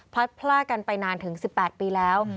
พล่ากันไปนานถึง๑๘ปีแล้ว